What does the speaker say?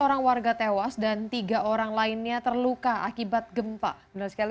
orang warga tewas dan tiga orang lainnya terluka akibat gempa benar sekali